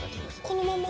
このまま？